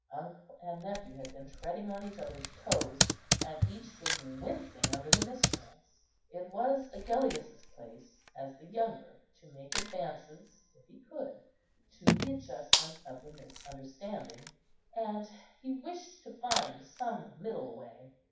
Uncle and nephew had been treading on each other's toes, and each was wincing under the mischance. It was Agellius's place, as the younger, to make advances, if he could, to an adjustment of the misunderstanding; and he wished to find some middle way.